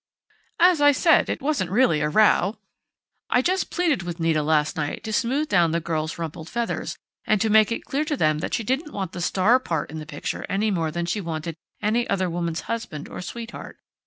"As I said, it wasn't really a row. I just pleaded with Nita last night to smooth down the girls' rumpled feathers, and to make it clear to them that she didn't want the star part in the picture any more than she wanted any other woman's husband or sweetheart....